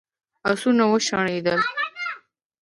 آسونه وشڼېدل.